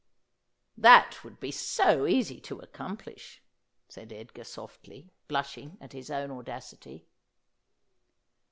' That would be so easy to accomplish,' said Edgar softly, blushing at his own audacity.